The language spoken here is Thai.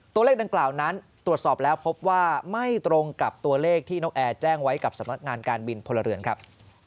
ตัวเลขดังกล่าวนั้นตรวจสอบแล้วพบว่าไม่ตรงกับตัวเลขที่นกแอร์แจ้งไว้กับสำนักงานการบินพลเรือนครับ